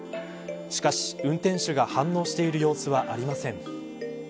しかし、運転手が反応している様子はありません。